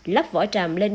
lắp vỏ tràm lên